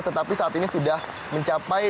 tetapi saat ini sudah mencapai